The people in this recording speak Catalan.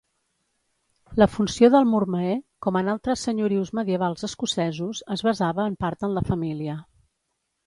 La funció del Mormaer, com en altres senyorius medievals escocesos, es basava en part en la família.